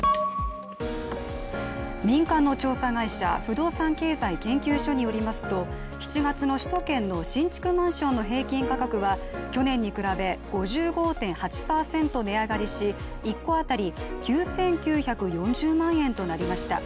民間の調査会社、不動産経済研究所によりますと７月の首都圏の新築マンションの平均価格は去年に比べ５５．８％値上がりし、１戸当たり９９４０万円となりました。